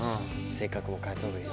性格も変えた方がいい。